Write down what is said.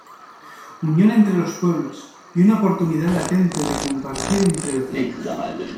Unión entre los pueblos y una oportunidad latente de compartir entre vecinos.